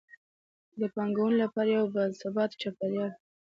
د پانګونې لپاره یو باثباته چاپیریال.